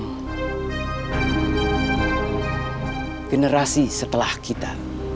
adalah generasi setelah kita